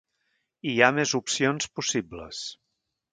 I hi ha més opcions possibles.